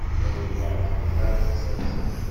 Layla tebda tettazzal.